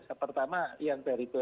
yang pertama yang dari bumn